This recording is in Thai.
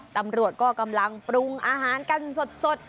ตำรวจก็กำลังปรุงอาหารกันสด